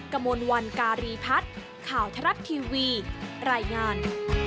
กระมวลวันการีพัฒน์ข่าวทรัฐทีวีรายงาน